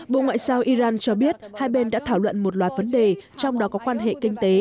bộ ngoại giao iran cho biết hai bên đã thảo luận một loạt vấn đề trong đó có quan hệ kinh tế